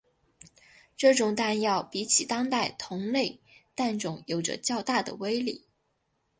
这种弹药比起当代的同类弹种有着较大的威力。